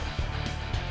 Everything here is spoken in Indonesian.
baik barang asas